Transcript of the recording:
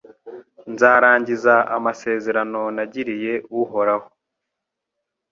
nzarangiza amasezerano nagiriye Uhoraho